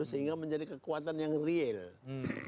sehingga menjadi kekuatan yang luar biasa